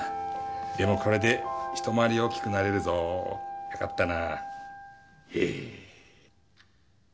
でもこれでひと回り大きくなれるぞ。よかったな。